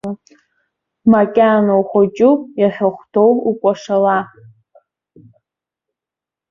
Макьана ухәыҷуп, иахьахәҭоу укәашала.